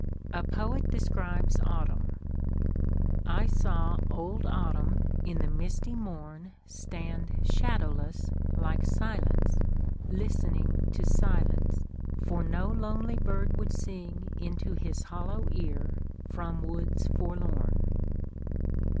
A poet describes Autumn: I saw old Autumn in the misty morn Stand shadowless like Silence, listening To silence, for no lonely bird would sing Into his hollow ear from woods forlorn.